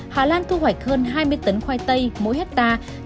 hà lan thu hoạch hơn hai mươi tấn khoai tây mỗi hectare